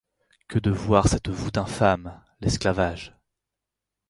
Que de voir cette voûte infâme, l'esclavage